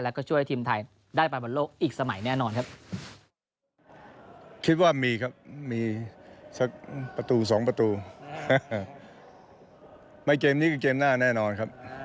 แล้วก็ช่วยทีมไทยได้ไปบนโลกอีกสมัยแน่นอนครับ